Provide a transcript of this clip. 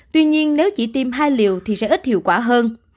tuy nhiên nếu chỉ tiêm hai liều thì sẽ ít hiệu quả hơn